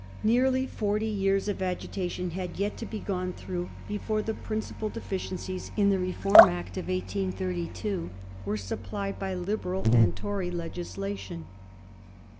Nearly forty years of agitation had yet to be gone through before the principal deficiencies in the Reform Act of 1833 were supplied by Liberal and Tory legislation.